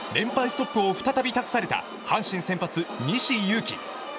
ストップを再び託された阪神先発、西勇輝。